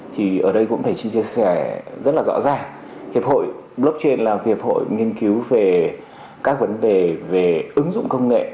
thì ở đây cũng phải chia sẻ rất là rõ ràng hiệp hội blockchain là hiệp hội nghiên cứu về các vấn đề về ứng dụng công nghệ